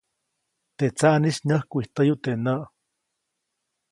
Teʼ tsaʼnis nyäjkwijtäyu teʼ näʼ.